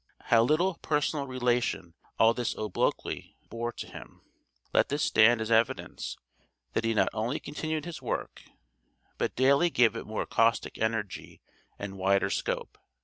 How little personal relation all this obloquy bore to him, let this stand as evidence: that he not only continued his work, but daily gave it more caustic energy and wider scope.